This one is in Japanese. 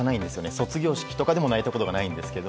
卒業式でも泣いたことがないんですけど。